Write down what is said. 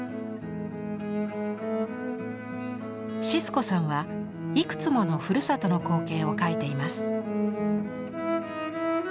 シスコさんはいくつものふるさとの光景を描いています。